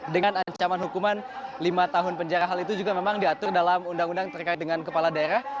dengan ancaman hukuman lima tahun penjara hal itu juga memang diatur dalam undang undang terkait dengan kepala daerah